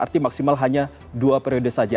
arti maksimal hanya dua periode saja